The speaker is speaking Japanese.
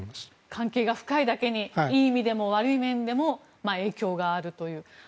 関係が深いだけにいい意味でも悪い意味でも影響があるという。